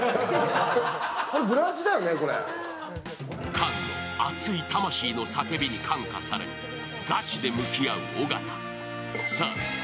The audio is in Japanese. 菅の熱い魂の叫びに感化され、ガチで向き合う尾形。